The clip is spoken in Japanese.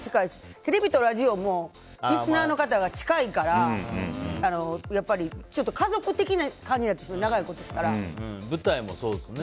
テレビとラジオもリスナーの方が近いからやっぱり、ちょっと家族的な感じになるんですよね